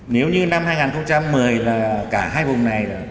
nếu như năm hai nghìn một mươi là cả hai vùng này